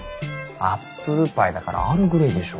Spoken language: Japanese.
アップルパイだからアールグレイでしょ。